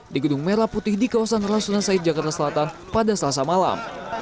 di gedung merah putih di kawasan rasuna said jakarta selatan pada selasa malam